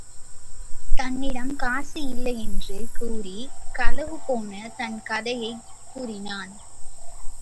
தன்னிடம் காசு இல்லையென்று கூறி, களவுபோன தன் கதையைக் கூறினான்.